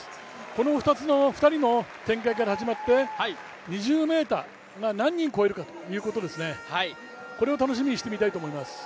この２人の展開から始まって２０ｍを何人超えるかということですね、これを楽しみにしておきたいと思います。